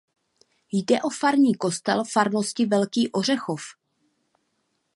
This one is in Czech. Jde o farní kostel farnosti Velký Ořechov.